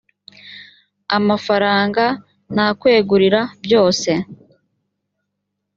amafaranga nta kwegurira byose.